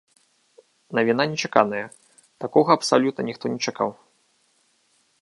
Навіна нечаканая, такога абсалютна ніхто не чакаў.